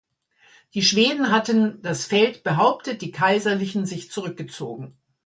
Die Schweden hatten das Feld behauptet, die Kaiserlichen sich zurückgezogen.